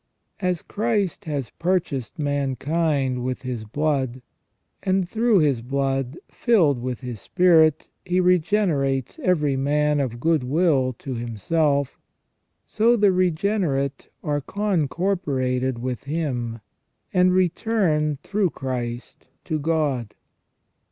As Christ has purchased mankind with His blood, and through His blood, filled with His spirit, He regenerates every man of goodwill to Himself, so the regenerate are concorporated with Him, and return through Christ to God.